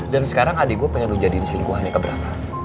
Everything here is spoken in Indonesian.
dan sekarang adik gue pengen lo jadiin selingkuhannya keberapa